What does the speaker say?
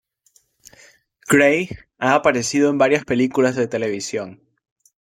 Grey ha aparecido en varias películas de televisión.